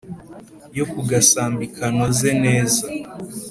yo ku gasambi kanoze neza